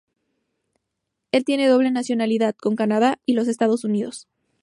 Él tiene doble nacionalidad con Canadá y los Estados Unidos.